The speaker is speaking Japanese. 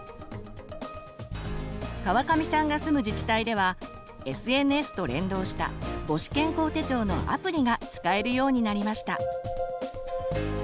川上さんが住む自治体ではＳＮＳと連動した母子健康手帳のアプリが使えるようになりました。